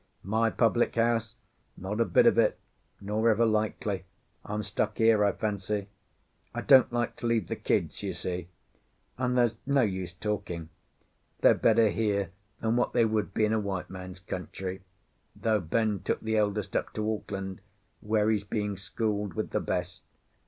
My public house? Not a bit of it, nor ever likely. I'm stuck here, I fancy. I don't like to leave the kids, you see: and—there's no use talking—they're better here than what they would be in a white man's country, though Ben took the eldest up to Auckland, where he's being schooled with the best.